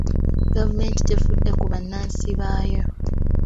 Gavumenti tefudde ku bannansi baayo.